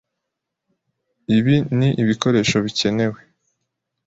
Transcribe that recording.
Ibi ni ibikoresho bikenewe